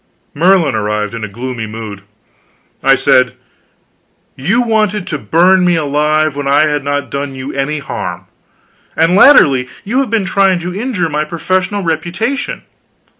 Merlin arrived in a gloomy mood. I said: "You wanted to burn me alive when I had not done you any harm, and latterly you have been trying to injure my professional reputation.